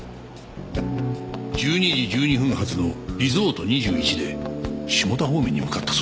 １２時１２分発のリゾート２１で下田方面に向かったそうだ。